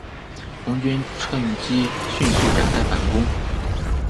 红军乘机迅速展开反攻。